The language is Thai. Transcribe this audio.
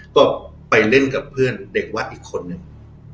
ก็ไปเล่นกับเพื่อนเด็กวัดอีกคนนึง